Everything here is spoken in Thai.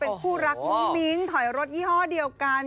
เป็นคู่รักมุ้งมิ้งถอยรถยี่ห้อเดียวกัน